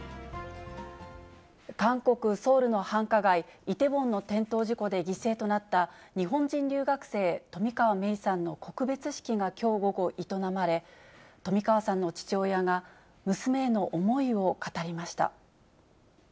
韓国・ソウルの繁華街、イテウォンの転倒事故で犠牲となった、日本人留学生、冨川芽生さんの告別式がきょう午後、営まれ、冨川さんの父親が、娘への思いを語りました。